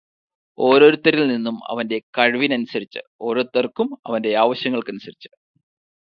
ഓരോരുത്തരിൽ നിന്നും അവന്റെ കഴിവിനനുസരിച്ച്, ഓരോരുത്തർക്കും അവന്റെ ആവശ്യങ്ങൾക്കനുസരിച്ച്